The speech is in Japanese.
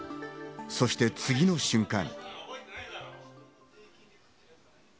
そして次の瞬間。